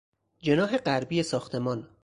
جناح غربی ساختمان